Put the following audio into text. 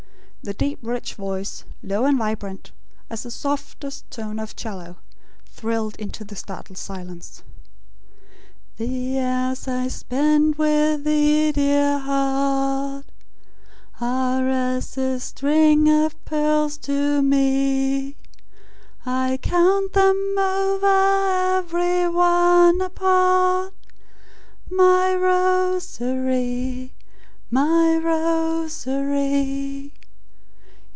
The deep rich voice, low and vibrant, as the softest tone of 'cello, thrilled into the startled silence. "The hours I spent with thee, dear heart, Are as a string of pearls to me; I count them over, ev'ry one apart, My rosary, my rosary.